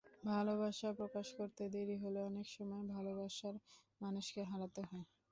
ভালোবাসা প্রকাশ করতে দেরি হলে অনেক সময় ভালোবাসার মানুষকে হারাতে হয়।